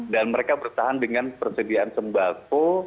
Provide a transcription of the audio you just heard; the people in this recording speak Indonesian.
dan mereka bertahan dengan persediaan sembako